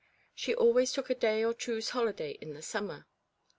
She always took a day or two's holiday in the summer.